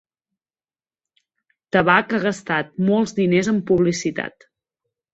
Tabac ha gastat molts diners en publicitat.